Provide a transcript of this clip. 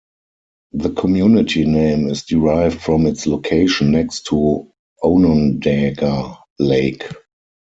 The community name is derived from its location next to Onondaga Lake.